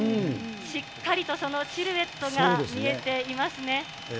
しっかりとそのシルエットが見えていますね。